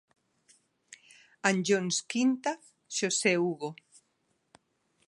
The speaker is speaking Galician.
Anllóns Quinta, Xosé Hugo.